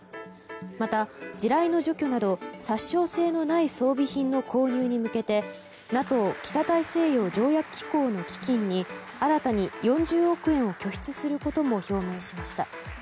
また地雷の除去など殺傷性のない装備品の購入に向けてＮＡＴＯ・北大西洋条約機構の基金に新たに４０億円を拠出することも表明しました。